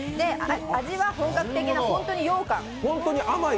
味は本格的な、本当にようかん。